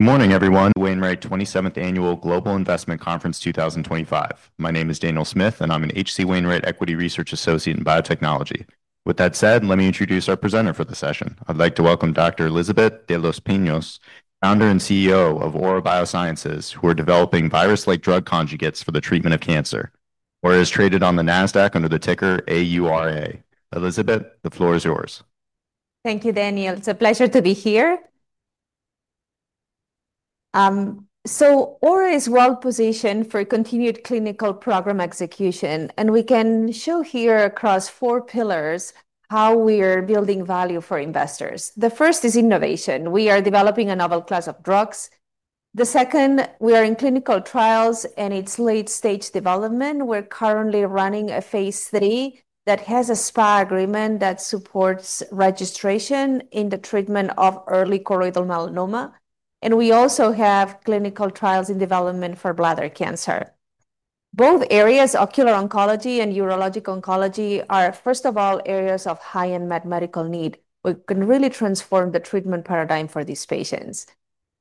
Good morning, everyone. Wainwright 27th Annual Global Investment Conference 2025. My name is Daniel Smith, and I'm an H.C. Wainwright Equity Research Associate in Biotechnology. With that said, let me introduce our presenter for the session. I'd like to welcome Dr. Elisabet de los Pinos, Founder and CEO of Aura Biosciences, who are developing virus-like drug conjugates for the treatment of cancer. Aura is traded on the NASDAQ under the ticker AURA. Elisabet, the floor is yours. Thank you, Daniel. It's a pleasure to be here. Aura is well-positioned for continued clinical program execution, and we can show here across four pillars how we are building value for investors. The first is innovation. We are developing a novel class of drugs. The second, we are in clinical trials and it's late-stage development. We're currently running a phase 3 that has a SPA agreement that supports registration in the treatment of early choroidal melanoma. We also have clinical trials in development for bladder cancer. Both areas, ocular oncology and urologic oncology, are, first of all, areas of high-end medical need. We can really transform the treatment paradigm for these patients.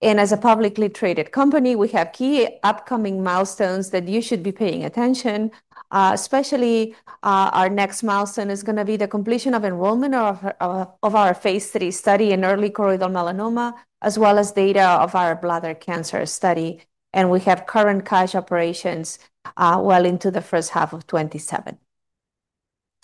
As a publicly traded company, we have key upcoming milestones that you should be paying attention to, especially, our next milestone is going to be the completion of enrollment of our phase 3 study in early choroidal melanoma, as well as data of our bladder cancer study. We have current cash operations well into the first half of 2027.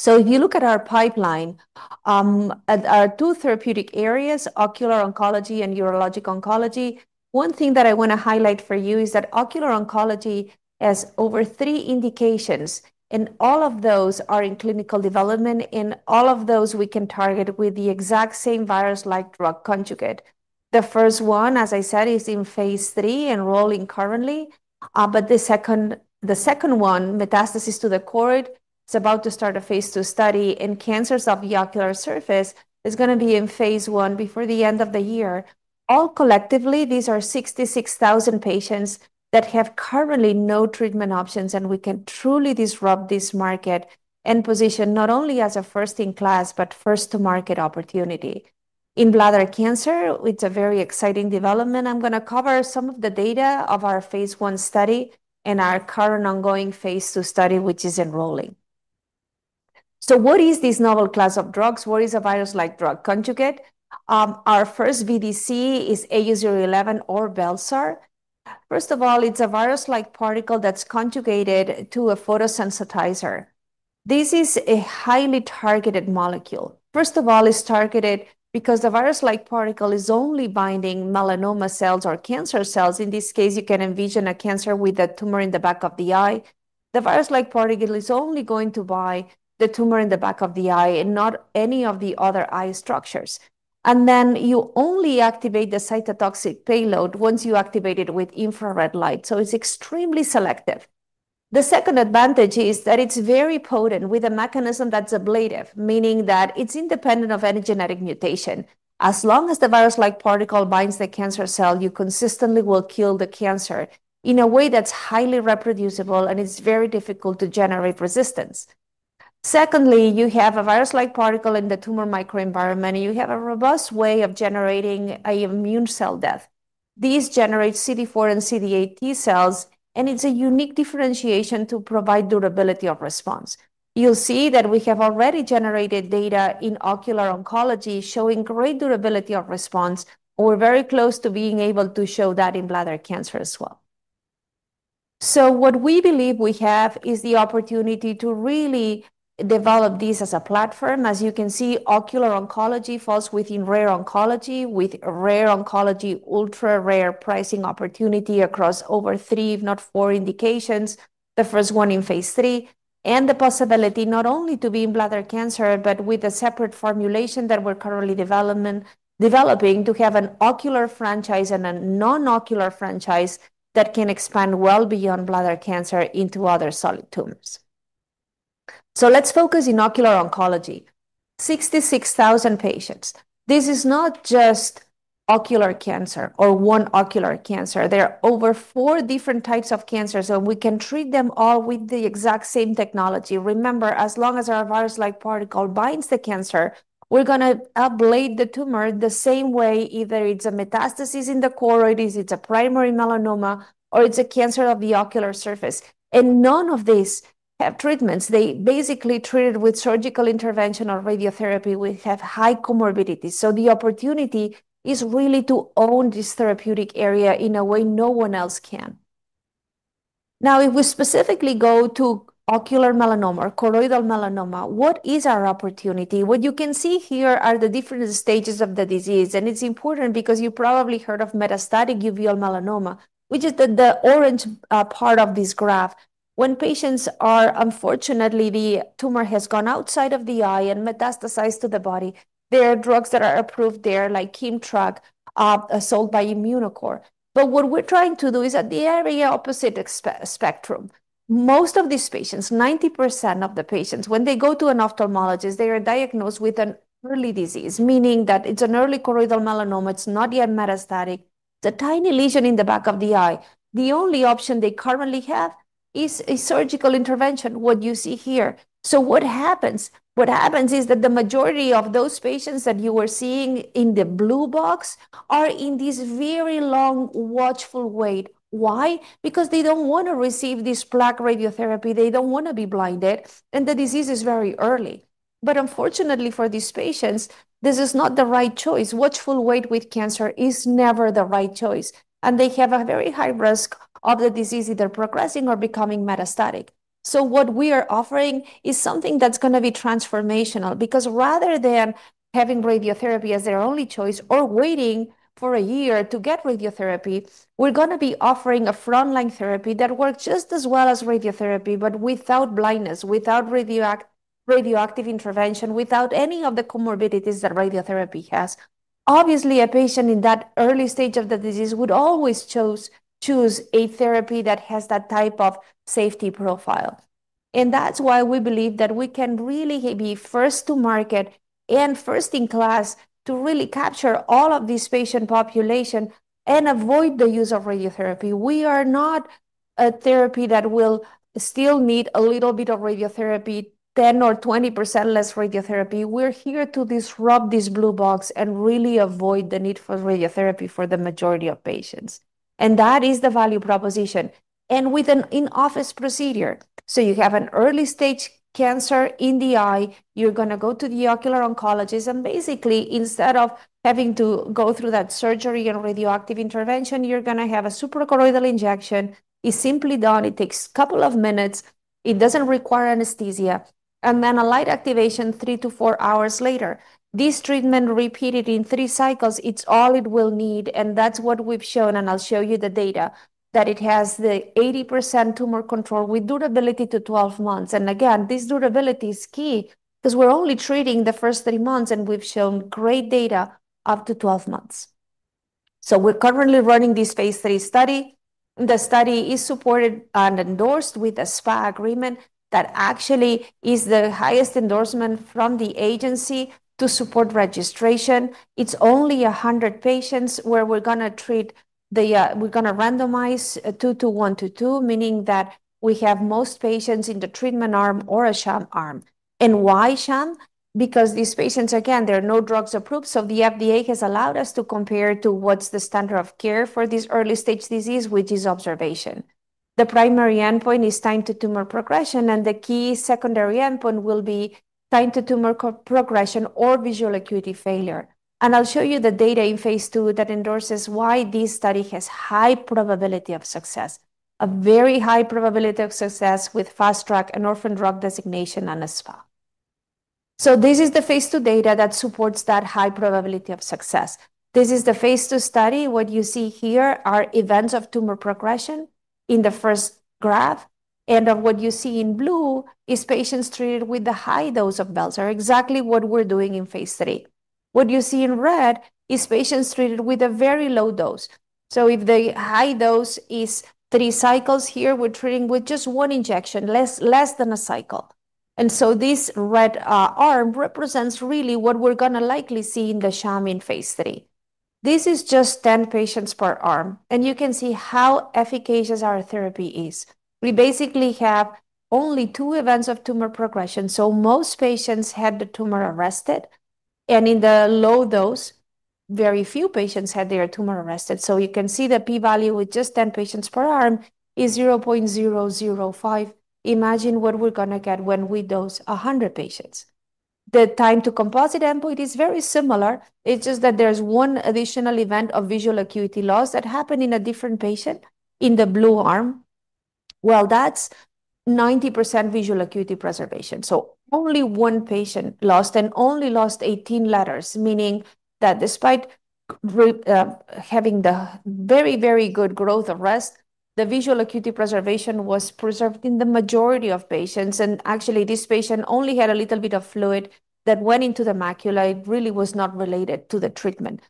If you look at our pipeline, at our two therapeutic areas, ocular oncology and urologic oncology, one thing that I want to highlight for you is that ocular oncology has over three indications, and all of those are in clinical development, and all of those we can target with the exact same virus-like drug conjugate. The first one, as I said, is in phase 3, enrolling currently. The second one, metastasis to the choroid, is about to start a phase 2 study, and cancers of the ocular surface are going to be in phase 1 before the end of the year. All collectively, these are 66,000 patients that have currently no treatment options, and we can truly disrupt this market and position not only as a first-in-class but first-to-market opportunity. In bladder cancer, it's a very exciting development. I'm going to cover some of the data of our phase 1 study and our current ongoing phase 2 study, which is enrolling. What is this novel class of drugs? What is a virus-like drug conjugate? Our first VDC is AU-011 or bel-sar. First of all, it's a virus-like particle that's conjugated to a photosensitizer. This is a highly targeted molecule. First of all, it's targeted because the virus-like particle is only binding melanoma cells or cancer cells. In this case, you can envision a cancer with a tumor in the back of the eye. The virus-like particle is only going to bind the tumor in the back of the eye and not any of the other eye structures. You only activate the cytotoxic payload once you activate it with infrared light. It's extremely selective. The second advantage is that it's very potent with a mechanism that's ablative, meaning that it's independent of any genetic mutation. As long as the virus-like particle binds the cancer cell, you consistently will kill the cancer in a way that's highly reproducible, and it's very difficult to generate resistance. You have a virus-like particle in the tumor microenvironment, and you have a robust way of generating immune cell death. These generate CD4 and CD8 T cells, and it's a unique differentiation to provide durability of response. You'll see that we have already generated data in ocular oncology showing great durability of response. We're very close to being able to show that in bladder cancer as well. What we believe we have is the opportunity to really develop this as a platform. As you can see, ocular oncology falls within rare oncology, with rare oncology, ultra-rare pricing opportunity across over three, if not four indications. The first one in phase 3, and the possibility not only to be in bladder cancer, but with a separate formulation that we're currently developing to have an ocular franchise and a non-ocular franchise that can expand well beyond bladder cancer into other solid tumors. Let's focus in ocular oncology. 66,000 patients. This is not just ocular cancer or one ocular cancer. There are over four different types of cancers, and we can treat them all with the exact same technology. Remember, as long as our virus-like particle binds the cancer, we're going to ablate the tumor the same way. Either it's a metastasis in the choroid, it's a primary melanoma, or it's a cancer of the ocular surface. None of these treatments, they basically treat it with surgical intervention or radiotherapy, we have high comorbidities. The opportunity is really to own this therapeutic area in a way no one else can. Now, if we specifically go to ocular melanoma or choroidal melanoma, what is our opportunity? What you can see here are the different stages of the disease, and it's important because you've probably heard of metastatic uveal melanoma, which is the orange part of this graph. When patients are, unfortunately, the tumor has gone outside of the eye and metastasized to the body, there are drugs that are approved there, like KIMTRAC, sold by Immunocore. What we're trying to do is at the area opposite the spectrum. Most of these patients, 90% of the patients, when they go to an ophthalmologist, they are diagnosed with an early disease, meaning that it's an early choroidal melanoma. It's not yet metastatic. It's a tiny lesion in the back of the eye. The only option they currently have is a surgical intervention, what you see here. What happens is that the majority of those patients that you were seeing in the blue box are in this very long watchful wait. Why? Because they don't want to receive this plaque radiotherapy. They don't want to be blinded, and the disease is very early. Unfortunately for these patients, this is not the right choice. Watchful wait with cancer is never the right choice, and they have a very high risk of the disease either progressing or becoming metastatic. What we are offering is something that's going to be transformational because rather than having radiotherapy as their only choice or waiting for a year to get radiotherapy, we're going to be offering a frontline therapy that works just as well as radiotherapy, but without blindness, without radioactive intervention, without any of the comorbidities that radiotherapy has. Obviously, a patient in that early stage of the disease would always choose a therapy that has that type of safety profile. That's why we believe that we can really be first to market and first in class to really capture all of this patient population and avoid the use of radiotherapy. We are not a therapy that will still need a little bit of radiotherapy, 10% or 20% less radiotherapy. We're here to disrupt this blue box and really avoid the need for radiotherapy for the majority of patients. That is the value proposition. With an in-office procedure, you have an early-stage cancer in the eye. You're going to go to the ocular oncologist, and basically, instead of having to go through that surgery and radioactive intervention, you're going to have a superchoroidal injection. It's simply done. It takes a couple of minutes. It doesn't require anesthesia. Then a light activation three to four hours later. This treatment, repeated in three cycles, is all it will need, and that's what we've shown. I'll show you the data, that it has the 80% tumor control with durability to 12 months. This durability is key because we're only treating the first three months, and we've shown great data up to 12 months. We're currently running this phase 3 study. The study is supported and endorsed with a SPA agreement that actually is the highest endorsement from the agency to support registration. It's only 100 patients where we're going to randomize 2 to 1 to 2, meaning that we have most patients in the treatment arm or a sham arm. Why sham? These patients, again, there are no drugs approved. The FDA has allowed us to compare to what's the standard of care for this early-stage disease, which is observation. The primary endpoint is time to tumor progression, and the key secondary endpoint will be time to tumor progression or visual acuity failure. I'll show you the data in phase 2 that endorses why this study has high probability of success, a very high probability of success with FastTrack, an orphan drug designation, and a SPA. This is the phase 2 data that supports that high probability of success. This is the phase 2 study. What you see here are events of tumor progression in the first graph, and what you see in blue is patients treated with the high dose of bel-sar, exactly what we're doing in phase 3. What you see in red is patients treated with a very low dose. If the high dose is three cycles here, we're treating with just one injection, less than a cycle. This red arm represents really what we're going to likely see in the sham in phase 3. This is just 10 patients per arm, and you can see how efficacious our therapy is. We basically have only two events of tumor progression. Most patients had the tumor arrested, and in the low dose, very few patients had their tumor arrested. You can see the p-value with just 10 patients per arm is 0.005. Imagine what we're going to get when we dose 100 patients. The time to composite endpoint is very similar. It's just that there's one additional event of visual acuity loss that happened in a different patient in the blue arm. That's 90% visual acuity preservation. Only one patient lost and only lost 18 letters, meaning that despite having the very, very good growth arrest, the visual acuity preservation was preserved in the majority of patients. Actually, this patient only had a little bit of fluid that went into the macula. It really was not related to the treatment.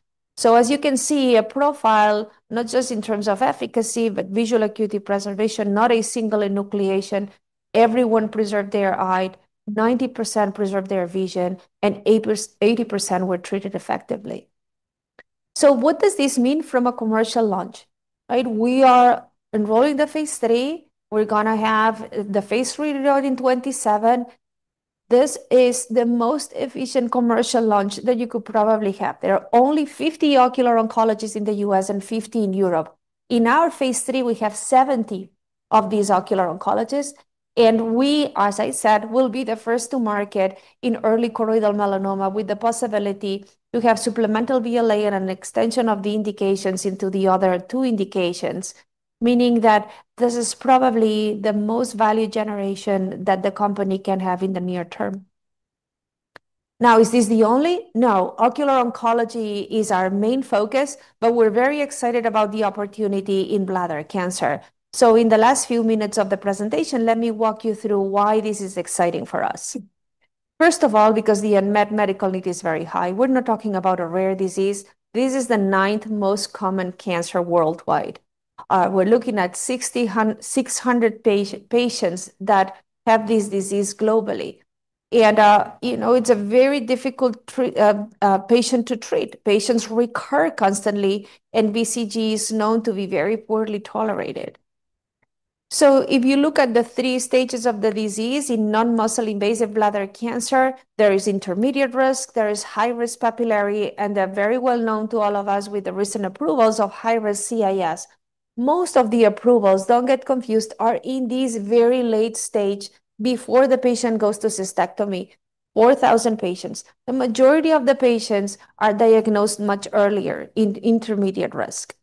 As you can see, a profile not just in terms of efficacy, but visual acuity preservation, not a single enucleation. Everyone preserved their eye, 90% preserved their vision, and 80% were treated effectively. What does this mean from a commercial launch? We are enrolling the phase 3. We're going to have the phase 3 in 2027. This is the most efficient commercial launch that you could probably have. There are only 50 ocular oncologists in the U.S. and 50 in Europe. In our phase 3, we have 70 of these ocular oncologists, and we, as I said, will be the first to market in early choroidal melanoma with the possibility to have supplemental VLA and an extension of the indications into the other two indications, meaning that this is probably the most value generation that the company can have in the near term. Is this the only? No, ocular oncology is our main focus, but we're very excited about the opportunity in bladder cancer. In the last few minutes of the presentation, let me walk you through why this is exciting for us. First of all, because the unmet medical need is very high. We're not talking about a rare disease. This is the ninth most common cancer worldwide. We're looking at 600 patients that have this disease globally. It's a very difficult patient to treat. Patients recur constantly, and BCG is known to be very poorly tolerated. If you look at the three stages of the disease in non-muscle invasive bladder cancer, there is intermediate risk, there is high-risk papillary, and they're very well known to all of us with the recent approvals of high-risk CIS. Most of the approvals, don't get confused, are in these very late stages before the patient goes to cystectomy. 4,000 patients. The majority of the patients are diagnosed much earlier in intermediate risk.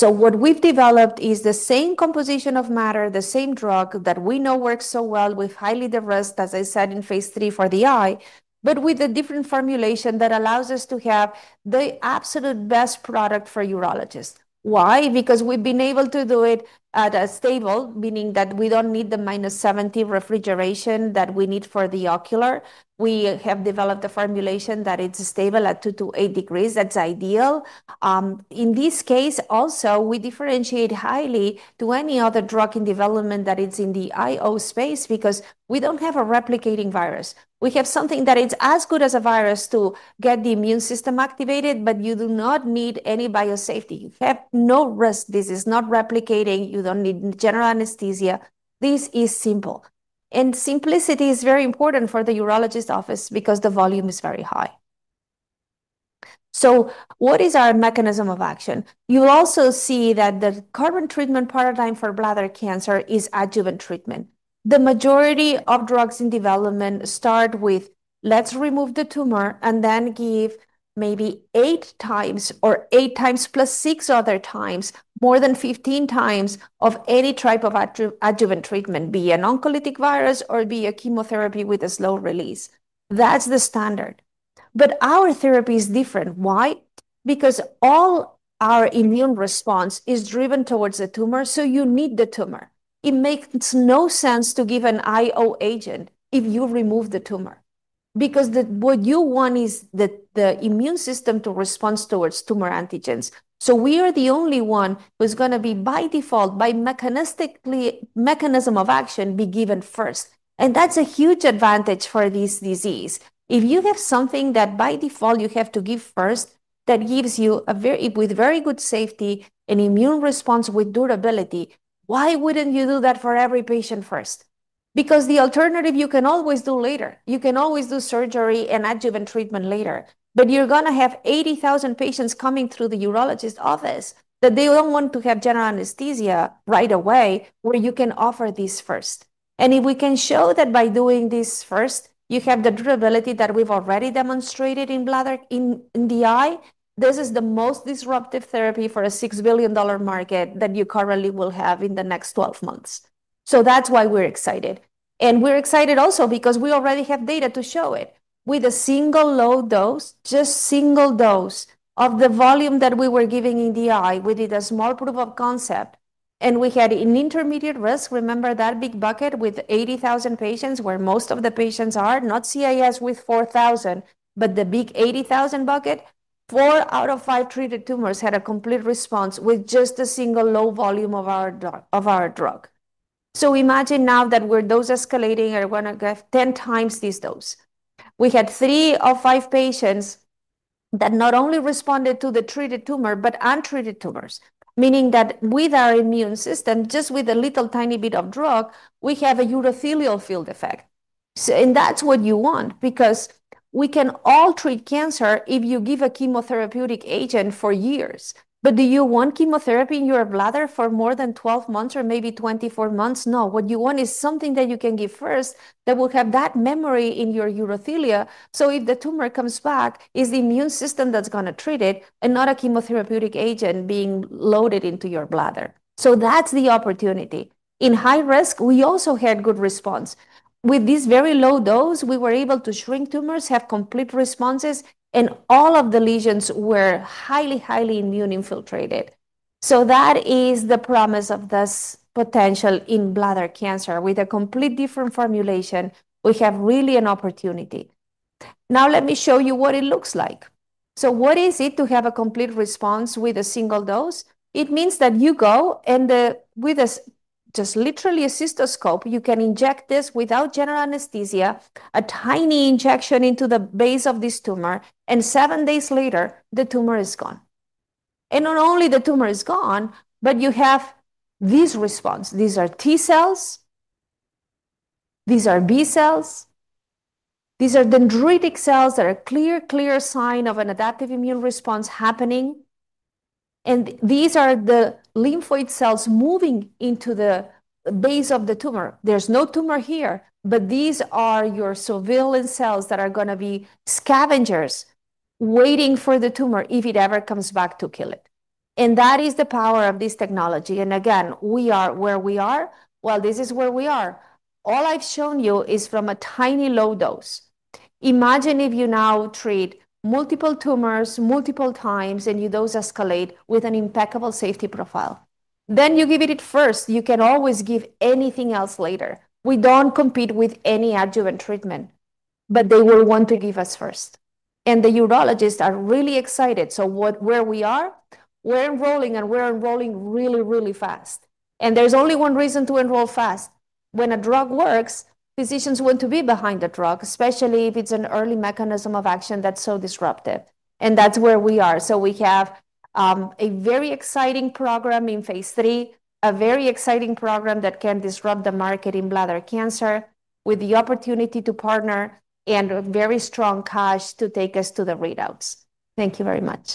What we've developed is the same composition of matter, the same drug that we know works so well with highly de-risked, as I said, in phase 3 for the eye, but with a different formulation that allows us to have the absolute best product for urologists. Why? Because we've been able to do it at a stable, meaning that we don't need the minus 70 refrigeration that we need for the ocular. We have developed a formulation that it's stable at 2 to 8 degrees. That's ideal. In this case, also, we differentiate highly to any other drug in development that is in the IO space because we don't have a replicating virus. We have something that is as good as a virus to get the immune system activated, but you do not need any biosafety. You have no risk. This is not replicating. You don't need general anesthesia. This is simple. Simplicity is very important for the urologist's office because the volume is very high. What is our mechanism of action? You'll also see that the current treatment paradigm for bladder cancer is adjuvant treatment. The majority of drugs in development start with, let's remove the tumor and then give maybe eight times or eight times plus six other times, more than 15 times of any type of adjuvant treatment, be an oncolytic virus or be a chemotherapy with a slow release. That's the standard. Our therapy is different. Why? Because all our immune response is driven towards the tumor, so you need the tumor. It makes no sense to give an IO agent if you remove the tumor because what you want is the immune system to respond towards tumor antigens. We are the only one who's going to be, by default, by mechanism of action, be given first. That's a huge advantage for this disease. If you have something that, by default, you have to give first, that gives you a very, with very good safety, an immune response with durability, why wouldn't you do that for every patient first? The alternative, you can always do later. You can always do surgery and adjuvant treatment later. You're going to have 80,000 patients coming through the urologist's office that they don't want to have general anesthesia right away, where you can offer this first. If we can show that by doing this first, you have the durability that we've already demonstrated in bladder, in the eye, this is the most disruptive therapy for a $6 billion market that you currently will have in the next 12 months. That's why we're excited. We're excited also because we already have data to show it. With a single low dose, just single dose of the volume that we were giving in the eye, we did a small proof of concept, and we had an intermediate risk. Remember that big bucket with 80,000 patients where most of the patients are, not CIS with 4,000, but the big 80,000 bucket, four out of five treated tumors had a complete response with just a single low volume of our drug. Imagine now that we're dose escalating and we're going to have 10 times this dose. We had three of five patients that not only responded to the treated tumor, but untreated tumors, meaning that with our immune system, just with a little tiny bit of drug, we have a urothelial field effect. That's what you want because we can all treat cancer if you give a chemotherapeutic agent for years. Do you want chemotherapy in your bladder for more than 12 months or maybe 24 months? No. What you want is something that you can give first that will have that memory in your urothelia. If the tumor comes back, it's the immune system that's going to treat it and not a chemotherapeutic agent being loaded into your bladder. That's the opportunity. In high risk, we also had good response. With this very low dose, we were able to shrink tumors, have complete responses, and all of the lesions were highly, highly immune infiltrated. That is the promise of this potential in bladder cancer. With a completely different formulation, we have really an opportunity. Now, let me show you what it looks like. What is it to have a complete response with a single dose? It means that you go and with just literally a cystoscope, you can inject this without general anesthesia, a tiny injection into the base of this tumor, and seven days later, the tumor is gone. Not only the tumor is gone, but you have this response. These are T cells. These are B cells. These are dendritic cells that are a clear, clear sign of an adaptive immune response happening. These are the lymphoid cells moving into the base of the tumor. There's no tumor here, but these are your surveillance cells that are going to be scavengers waiting for the tumor if it ever comes back to kill it. That is the power of this technology. We are where we are. This is where we are. All I've shown you is from a tiny low dose. Imagine if you now treat multiple tumors multiple times and you dose escalate with an impeccable safety profile. You give it first. You can always give anything else later. We don't compete with any adjuvant treatment, but they will want to give us first. The urologists are really excited. We are enrolling, and we're enrolling really, really fast. There's only one reason to enroll fast. When a drug works, physicians want to be behind the drug, especially if it's an early mechanism of action that's so disruptive. That's where we are. We have a very exciting program in phase 3, a very exciting program that can disrupt the market in bladder cancer with the opportunity to partner and a very strong cash to take us to the readouts. Thank you very much.